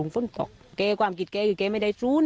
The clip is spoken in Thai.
ฝนตกความกิจเขาคือเขาไม่ได้สู้นั้น